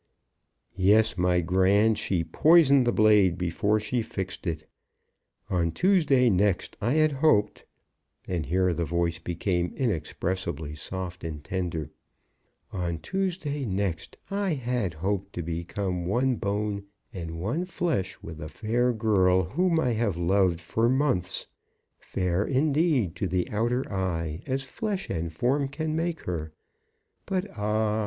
"Yes, my Grand; she poisoned the blade before she fixed it. On Tuesday next I had hoped " and here his voice became inexpressibly soft and tender, "on Tuesday next I had hoped to become one bone and one flesh with a fair girl whom I have loved for months; fair indeed to the outer eye, as flesh and form can make her; but ah!